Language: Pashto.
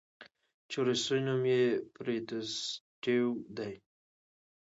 چې روسي نوم ئې Bratstvoدے